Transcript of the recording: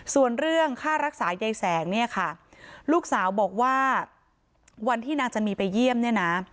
ส่วนเรื่องค่ารักษายายแสงเนี่ยค่ะลูกสาวบอกว่าวันที่นางจะมีไปเยี่ยมเนี่ยนะ